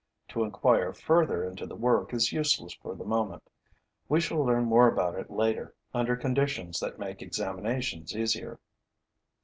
To inquire further into the work is useless for the moment. We shall learn more about it later, under conditions that make examination easier.